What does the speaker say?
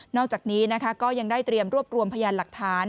อกจากนี้ก็ยังได้เตรียมรวบรวมพยานหลักฐาน